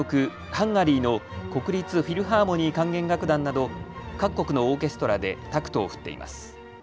ハンガリーの国立フィルハーモニー管弦楽団など各国のオーケルトラでタクトを振っています。